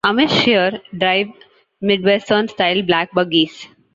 Amish here drive Midwestern-style black buggies.